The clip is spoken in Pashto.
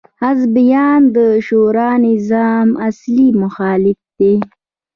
حزبیان د شورا نظار اصلي مخالفین دي.